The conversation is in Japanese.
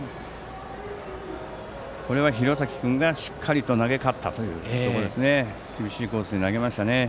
これは廣崎君がしっかりと投げきったという厳しいコースに投げましたね。